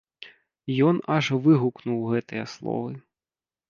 Ён аж выгукнуў гэтыя словы.